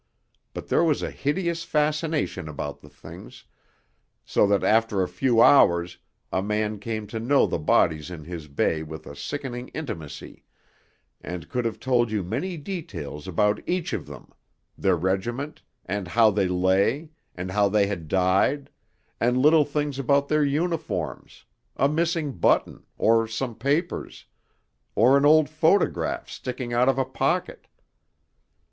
But there was a hideous fascination about the things, so that after a few hours a man came to know the bodies in his bay with a sickening intimacy, and could have told you many details about each of them their regiment, and how they lay, and how they had died, and little things about their uniforms, a missing button, or some papers, or an old photograph sticking out of a pocket....